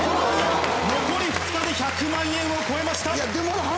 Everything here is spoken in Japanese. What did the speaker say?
残り２日で１００万円を超えました。